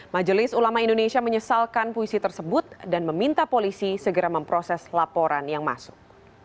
majelis ulama indonesia menyesalkan puisi tersebut dan meminta polisi segera memproses laporan yang masuk